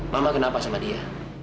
mama kenapa sama dia